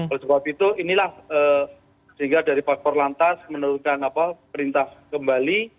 oleh sebab itu inilah sehingga dari paspor lantas menurunkan perintah kembali